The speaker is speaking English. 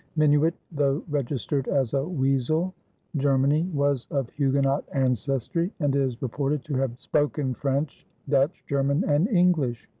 Minuit, though registered as "of Wesel," Germany, was of Huguenot ancestry, and is reported to have spoken French, Dutch, German, and English.